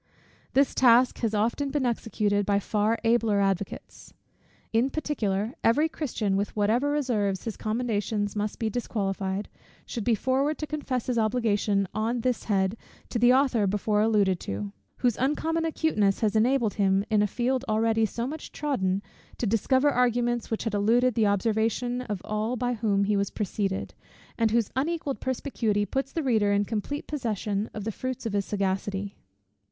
This task has often been executed by far abler advocates. In particular, every Christian, with whatever reserves his commendations must be disqualified, should be forward to confess his obligations on this head to the author before alluded to; whose uncommon acuteness has enabled him, in a field already so much trodden, to discover arguments which had eluded the observation of all by whom he was preceded, and whose unequalled perspicuity puts his reader in complete possession of the fruits of his sagacity.